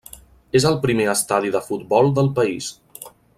És el primer estadi de futbol del país.